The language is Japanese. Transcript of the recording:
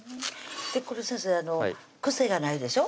これ先生癖がないでしょ？